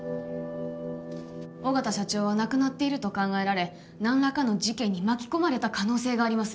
緒方社長は亡くなっていると考えられ何らかの事件に巻き込まれた可能性があります